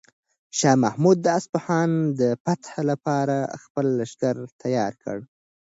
شاه محمود د اصفهان د فتح لپاره خپل لښکر تیار کړ.